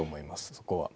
そこは。